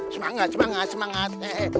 semangat semangat semangat